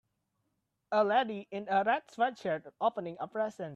A lady in a red sweatshirt opening a present.